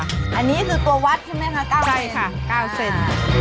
ได้ค่ะอันนี้คือตัววัดใช่ไหมคะ๙เซนเต่นใช่ค่ะ๙เซน